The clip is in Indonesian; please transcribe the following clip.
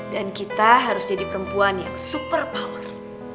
dan kita harus jadi perempuan yang super power